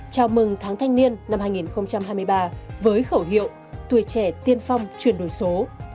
chào mừng tháng thanh niên năm hai nghìn hai mươi ba với khẩu hiệu tuổi trẻ tiên phong chuyển đổi số